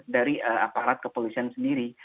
dari aparat kepolisian sendiri